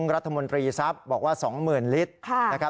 รัฐมนตรีทรัพย์บอกว่า๒๐๐๐๐ลิตร